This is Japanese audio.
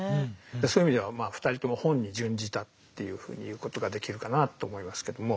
そういう意味では２人とも本に殉じたっていうふうに言うことができるかなと思いますけども。